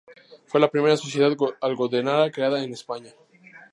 Fue la primera sociedad algodonera creada en España.